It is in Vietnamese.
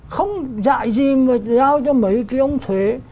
không dạy gì mà giao cho mấy ông thuế